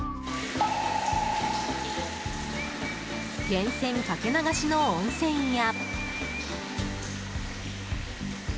源泉かけ流しの温泉や。